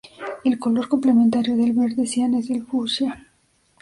El color complementario del verde cian es el fucsia.